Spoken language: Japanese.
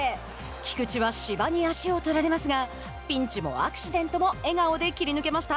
菊池は芝に足をとられますがピンチもアクシデントも笑顔で切り抜けました。